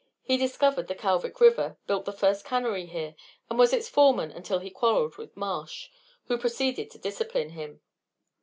He discovered the Kalvik River, built the first cannery here, and was its foreman until he quarrelled with Marsh, who proceeded to discipline him.